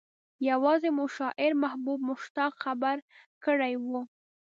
يوازې مو شاعر محبوب مشتاق خبر کړی و.